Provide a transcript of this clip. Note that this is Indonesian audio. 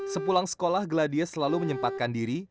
sepulang sekolah gladia selalu menyempatkan diri